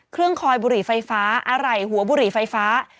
เครื่องคอยบุหรี่ไฟฟ้าอะไหล่หัวบุหรี่ไฟฟ้า